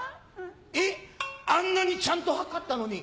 「えっあんなにちゃんと測ったのに